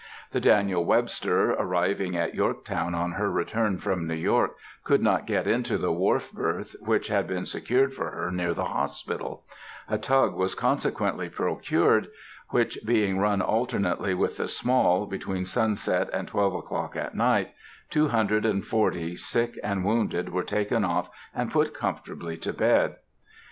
The Daniel Webster, arriving at Yorktown on her return from New York, could not get into the wharf berth which had been secured for her near the hospital; a tug was consequently procured, which being run alternately with the Small, between sunset and twelve o'clock at night, two hundred and forty sick and wounded were taken off and put comfortably to bed.